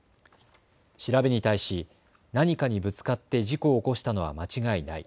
調べに対し何かにぶつかって事故を起こしたのは間違いない。